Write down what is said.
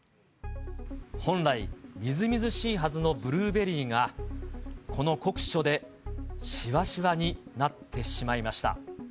本来、みずみずしいはずのブルーベリーが、この酷暑でしわしわになってしまいました。